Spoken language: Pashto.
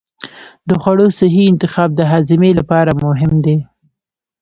د خوړو صحي انتخاب د هاضمې لپاره مهم دی.